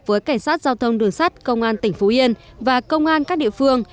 với cảnh sát giao thông đường sắt công an tỉnh phú yên và công an các địa phương